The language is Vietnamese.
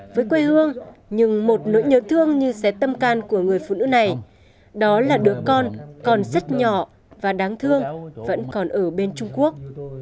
với quê hương nhưng một nỗi nhớ thương như xé tâm can của người phụ nữ này đó là đứa con còn rất nhỏ và đáng thương vẫn còn ở bên trung quốc